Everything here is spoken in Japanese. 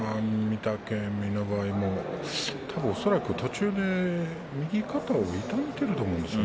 御嶽海の場合も恐らく途中で右肩を痛めていると思うんです。